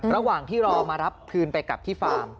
ระหว่างที่รอมารับคืนไปกลับที่ฟาร์ม